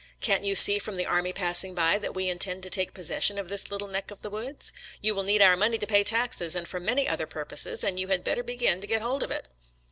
" Can't you see from the army passing by that we intend to take possession of this little neck of the woods? You will need our money to pay taxes and for many other purposes, and you had better begin to get hold of it."